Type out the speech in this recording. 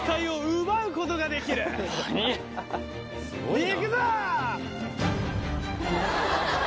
いくぞ！